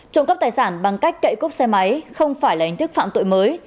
trộm cắp tài sản bằng cách cậy cốp xe máy không phải là hình thức phạm tội mới